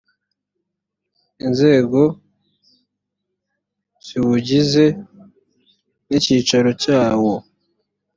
inzego ziwugize n’icyicaro cyawo